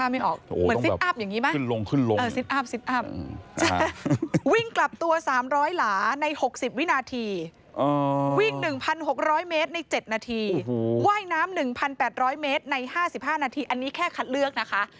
หว่ายน้ำ๑๘๐๐เมตรใน๕๕นาทีอันนี้แค่คัดเลือกนะคะ